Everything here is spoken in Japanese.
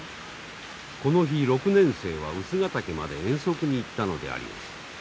この日６年生は臼ヶ岳まで遠足に行ったのであります。